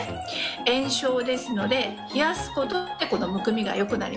炎症ですので冷やすことでこのむくみが良くなります。